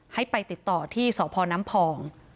ให้ไปติดต่อที่สพน้ำพอง